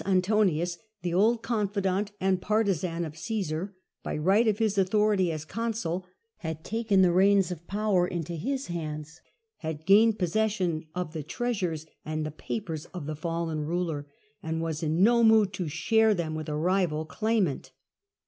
Antonius, the old confidant and partisan of Caesar, by right of his authority as con sul, had taken the reins of power into his hands, had gained possession of the treasures and the papers of the fallen ruler, and was in no mood to share them with a rival claimant.